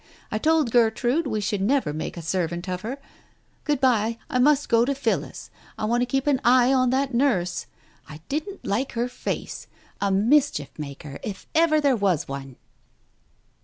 I told Gertrude we should never make a servant of her. ... Good bye. I must go to Phillis. I want to keep an eye on that nurse. I didn't like her face. A mischief maker if ever there was one."